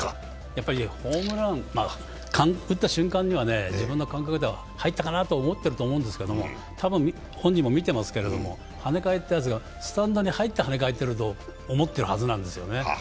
やっぱり打った瞬間には入ったかなと思ってると思うんですけど多分、本人も見てますけどはね返ってるやつが、スタンドに入って、はね返ってると思ってるはずなんですよね。